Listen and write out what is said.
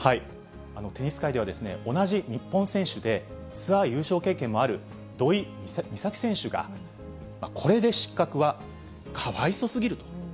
テニス界では、同じ日本選手で、ツアー優勝経験もある土居美咲選手が、これで失格はかわいそうすぎると。